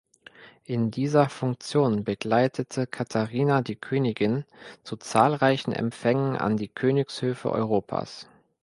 In dieser Funktion begleitete Katharina die Königin zu zahlreichen Empfängen an die Königshöfe Europas.